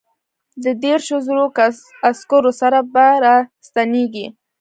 د دیرشو زرو عسکرو سره به را ستنېږي.